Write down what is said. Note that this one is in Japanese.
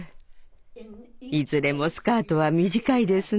いずれもスカートは短いですね。